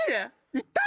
行った？